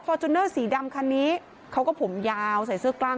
จูเนอร์สีดำคันนี้เขาก็ผมยาวใส่เสื้อกล้าม